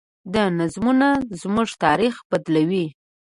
دا نظمونه زموږ تاریخ بدلوي.